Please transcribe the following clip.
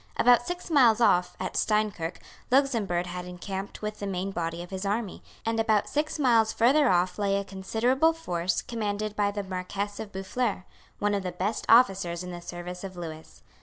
About six miles off, at Steinkirk, Luxemburg had encamped with the main body of his army; and about six miles further off lay a considerable force commanded by the Marquess of Boufflers, one of the best officers in the service of Lewis.